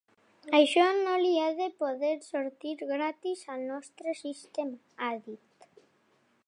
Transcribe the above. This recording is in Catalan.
Això no li ha de poder sortir gratis al nostre sistema, ha dit.